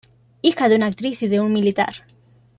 Hija de una actriz y de un militar.